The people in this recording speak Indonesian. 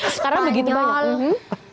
sekarang begitu banyak